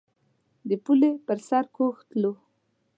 د پولې پر سر کوږ تلو.